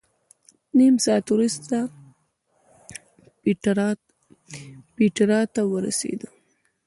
نیم ساعت وروسته پېټرا ته ورسېدو.